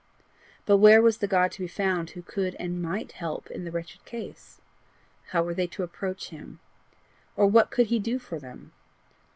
But where was the God to be found who could and MIGHT help in the wretched case? How were they to approach him? Or what could he do for them?